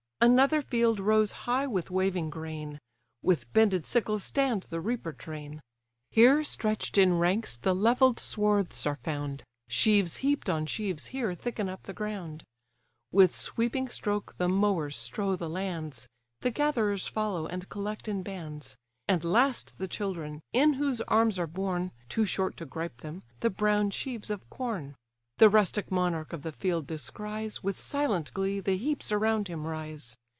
Another field rose high with waving grain; With bended sickles stand the reaper train: Here stretched in ranks the levell'd swarths are found, Sheaves heap'd on sheaves here thicken up the ground. With sweeping stroke the mowers strow the lands; The gatherers follow, and collect in bands; And last the children, in whose arms are borne (Too short to gripe them) the brown sheaves of corn. The rustic monarch of the field descries, With silent glee, the heaps around him rise.